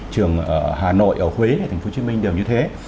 trường hà nội ở huế hay tp hcm đều như thế